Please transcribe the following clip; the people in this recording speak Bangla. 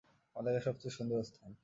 আমার দেখা সবচেয়ে সুন্দর স্থান।